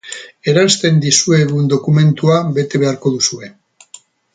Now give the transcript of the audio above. Eransten dizuegun dokumentua bete beharko duzue.